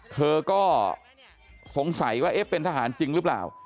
เธอก็สงสัยว่าเอ๊ะเป็นทหารจริงหรือเปล่า